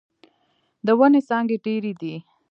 د ونې څانګې ډيرې دې.